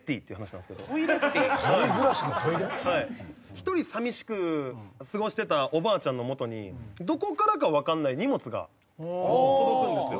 独り寂しく過ごしてたおばあちゃんのもとにどこからかわかんない荷物が届くんですよ。